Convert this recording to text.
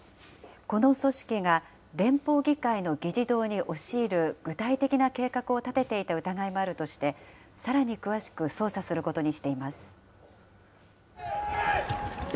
この組織が連邦議会の議事堂に押し入る具体的な計画を立てていた疑いもあるとして、さらに詳しく捜査することにしています。